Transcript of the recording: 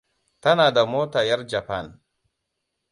Tana da mota yar Japan.